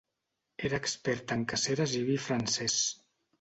Era expert en caceres i vi francès.